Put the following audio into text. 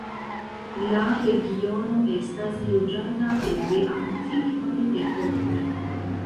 La regiono estas loĝata ekde antikvaj epokoj.